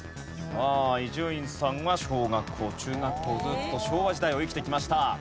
さあ伊集院さんは小学校中学校ずっと昭和時代を生きてきました。